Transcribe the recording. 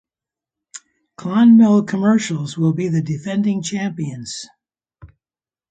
Clonmel Commercials will be the defending champions.